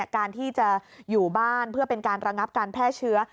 การที่จะอยู่บ้านเพื่อเป็นการระงับการแพร่เชื้อ